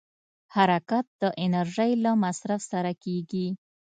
حرکت د انرژۍ له مصرف سره کېږي.